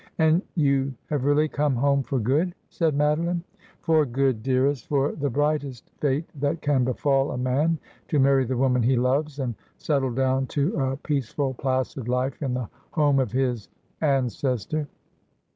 ' And you have really come home for good,' said Mado line. ' For good, dearest ; for the brightest fate that can befall a man, to marry the woman he loves and settle down to a peace ful placid life in the home of his — ancestor.